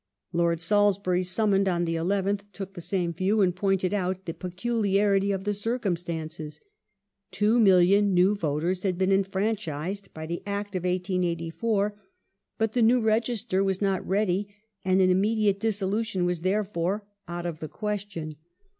Lord Salisbury, summoned on the 11th, took the same view, and pointed out the peculiarity of the circum stances. Two million new voters had been enfranchised by the Act of 1884, but the new Register was not ready, and an immediate dissolution was, therefore, out of the question.